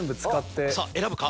さぁ選ぶか？